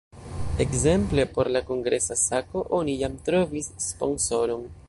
Ekzemple por la kongresa sako oni jam trovis sponsoron.